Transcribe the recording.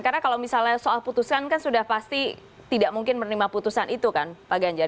karena kalau misalnya soal putusan kan sudah pasti tidak mungkin menerima putusan itu kan pak ganjar